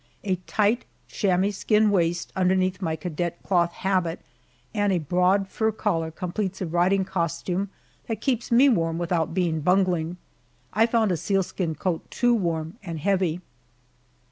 A tight chamois skin waist underneath my cadet cloth habit and a broad fur collar completes a riding costume that keeps me warm without being bungling. I found a sealskin coat too warm and heavy.